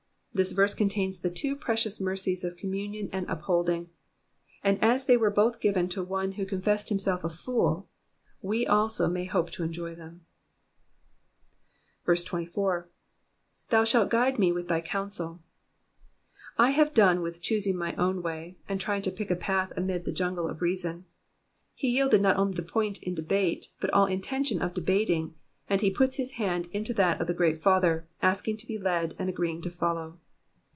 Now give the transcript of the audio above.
This verse contains the two precious mercies of communion and upholding, and as they were both given to one who confessed himself a fool, we also may hope to enjoy them. 24. ^"Thou shalt guide me with thy counseV* I have done with choosing my own way, and trying to pick a path amid the jungle of reason. He yielded not only the point in debate, but all intention of debating, and he puts his hand into that of the great Father, asking to be led, and agreeing to follow.